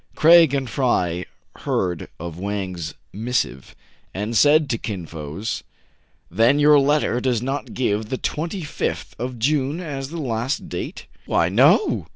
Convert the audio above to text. Craig and Fry heard of Wang's missive, and said to Kin Fo, — "Then your letter does not give the 2Sth of June as the last date.?" " Why, no